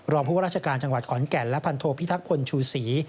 ผู้ว่าราชการจังหวัดขอนแก่นและพันโทพิทักพลชูศรี